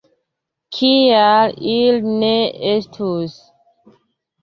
Kial ili ne estus?